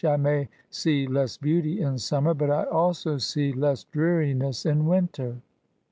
I may see less beauty in summer, but I also see less dreariness in winter.